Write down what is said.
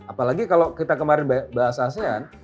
apalagi kalau kita kemarin bahas asean